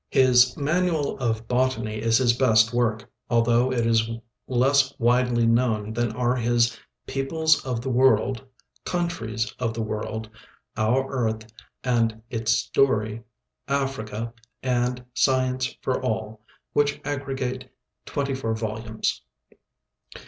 His "Manual of Botany" is his best work, although it is less widely known than are his "Peoples of the World," "Countries of the World," "Our Earth and its Story," "Africa," and " Science for All," which aggregate 24 volumes.